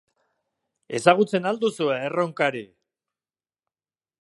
Ezagutzen al duzue Erronkari?